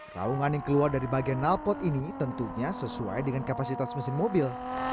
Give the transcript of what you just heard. raungan yang keluar dari bagian nalpot ini tentunya sesuai dengan kapasitas mesin mobil